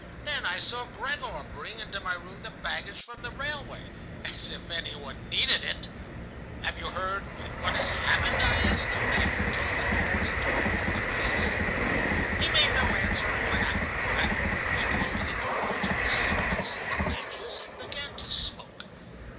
Then I saw Gregor bring into my room the baggage from the railway; as if any one needed it! "'Have you heard what has happened?' I asked him. 'Have you told the dvornik to inform the police?' "He made no answer, and went out. I rose, closed the door, took the cigarettes and the matches, and began to smoke.